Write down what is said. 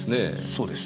そうです。